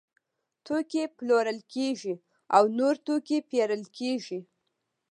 توکي پلورل کیږي او نور توکي پیرل کیږي.